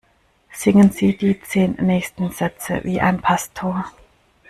Singen Sie die zehn nächsten Sätze wie ein Pastor!